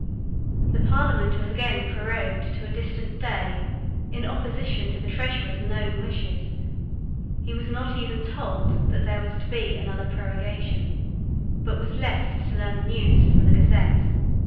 The Parliament was again prorogued to a distant day, in opposition to the Treasurer's known wishes. He was not even told that there was to be another prorogation, but was left to learn the news from the Gazette.